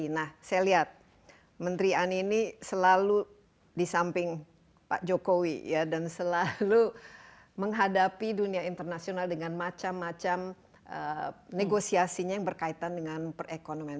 nah saya lihat menteri ani ini selalu di samping pak jokowi dan selalu menghadapi dunia internasional dengan macam macam negosiasinya yang berkaitan dengan perekonomian